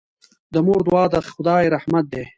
د مور دعا د خدای رحمت دی.